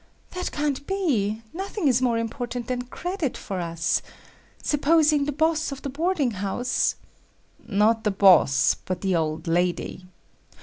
"That can't be. Nothing is more important than credit for us. Supposing, the boss of the boarding house……." "Not the boss, but the old lady."